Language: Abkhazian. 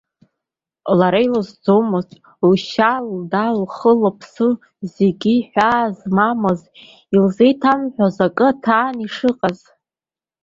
Лара илызӡомызт, лшьа-лда, лхы-лыԥсы зегьы ҳәаа змамыз, илзеиҭамҳәоз акы аҭаан ишыҟаз.